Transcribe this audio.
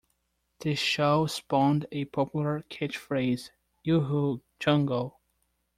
The show spawned a popular catchphrase, Uh-oh, Chongo!